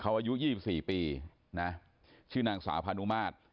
อายุ๒๔ปีนะชื่อนางสาวพานุมาตร